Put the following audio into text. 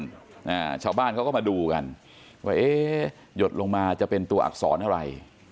อ่าชาวบ้านเขาก็มาดูกันว่าเอ๊ะหยดลงมาจะเป็นตัวอักษรอะไร